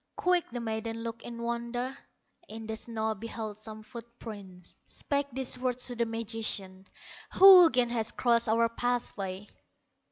Quick the maiden looked in wonder, In the snow beheld some foot prints, Spake these words to the magician: "Who again has crossed our pathway?"